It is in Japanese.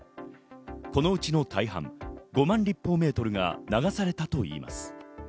この時の大半、５万立方メートルが流されたといいます。